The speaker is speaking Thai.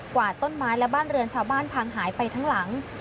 วาดต้นไม้และบ้านเรือนชาวบ้านพังหายไปทั้งหลัง